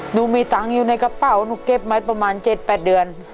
หนูมีตังอยู่ในกระเป๋าหนูเก็บไหมประมาณเจ็ดแปดเดือน